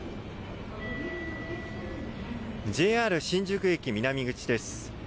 ＪＲ新宿駅南口です。